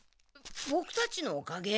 ボクたちのおかげ？